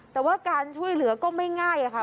แต่ว่าการช่วยเหลือก็ไม่ง่ายค่ะ